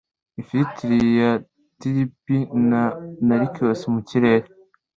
ifiriti ya tulipi na narcissus mu kirere